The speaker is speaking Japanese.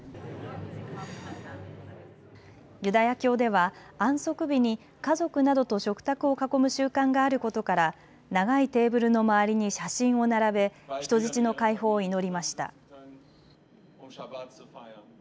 ユダヤ教では安息日に家族などと食卓を囲む習慣があることから長いテーブルの周りに写真を並べ人質の解放を祈りました。